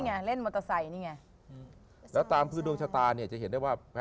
อันนี้จากดวงกำเนิดหรือฮะ